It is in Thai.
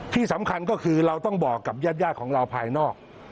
ที่สำคัญก็คือเราต้องบอกกับญาติของเราภายนอก